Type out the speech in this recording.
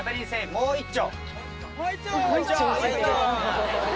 もう一丁！